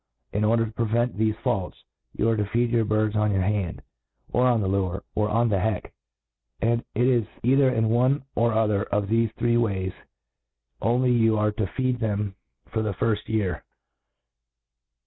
In order to jMre vent thefe fault§,you are to feed your birds on your hand, or on the lure, or on the heck ; and it is either in one or other of thefe three ways only you are to feed them for the firft year.